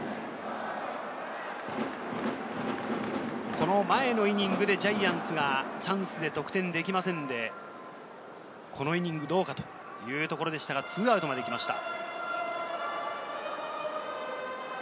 この前のイニングでジャイアンツがチャンスで得点できませんで、このイニングどうかというところでしたが、２アウトまで来ました。